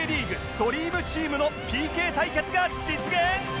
ドリームチームの ＰＫ 対決が実現！